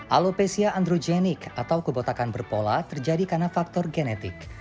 alopecia androgenik atau kebotakan berpola terjadi karena faktor genetik